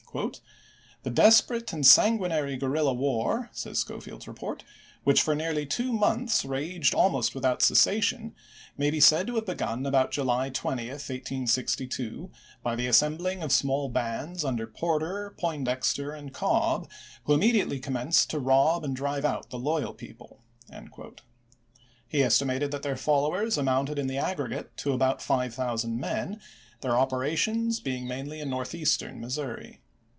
" The desperate and sanguinary guerrilla war," says Schofield's report, "which for nearly two months raged almost without cessation, may be said to have begun about July 20, 1862, by the assembling of small bands under Porter, Poindexter, and Cobb, who immediately commenced to rob and drive out the loyal people." He estimated that their followers amounted in the aggregate to about five thousand men, their operations being mainly in Northeastern Missouri.